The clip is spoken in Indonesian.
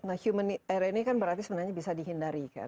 nah human rr ini kan berarti sebenarnya bisa dihindari kan